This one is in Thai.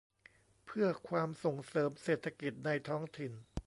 เพื่อความส่งเสริมเศรษฐกิจในท้องถิ่น